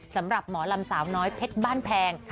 สำหรับหมอลำสาวน้อยเพชรบ้านแพง